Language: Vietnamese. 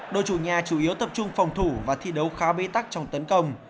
đội chủ nhà chủ yếu tập trung phòng thủ và thi đấu khá bế tắc trong tấn công